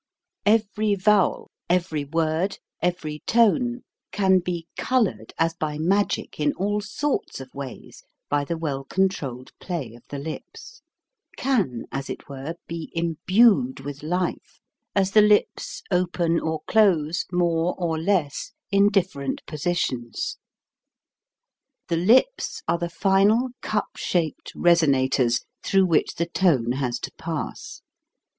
Every vowel, every word, every tone, can be colored as by magic in all sorts of ways by the well controlled play of the lips; can, as it were, be imbued with life, as the lips 216 THE LIPS 217 open or close more or less in different posi tions. The lips are the final cup shaped reso nators through which the tone has to pass.